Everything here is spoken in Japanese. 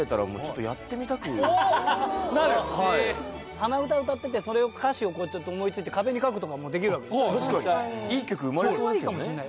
鼻歌歌っててその歌詞を思い付いて壁に書くとかもできるわけでしょ？